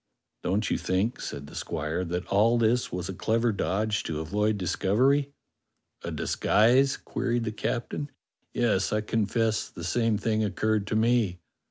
"Don't you think," said the squire, "that all this was a clever dodge to avoid discovery .^^" "A disguise.^" queried the captain. "Yes, I confess that the same thing occurred to me."